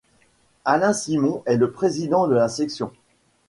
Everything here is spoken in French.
Alain Simon est le président de la section.